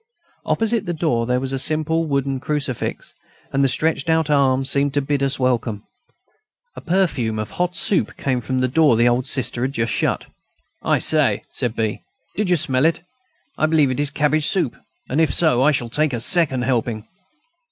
Opposite the door, there was a simple wooden crucifix, and the stretched out arms seemed to bid us welcome. A perfume of hot soup came from the door the old Sister had just shut. "I say!" said B., "did you smell it? I believe it is cabbage soup, and if so, I shall take a second helping."